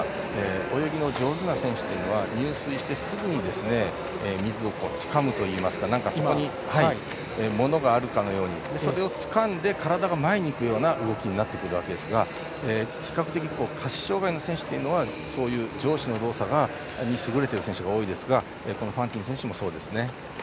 泳ぎの上手な選手は入水してすぐに水をつかむといいますかそこにものがあるかのようにそれを、つかんで体が前にいくような動きになりますが比較的、下肢障がいの選手はそういう上肢の動作に優れている選手が多いですがファンティン選手も、そうですね。